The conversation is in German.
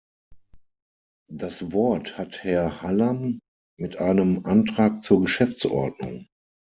Das Wort hat Herr Hallam mit einem Antrag zur Geschäftsordnung.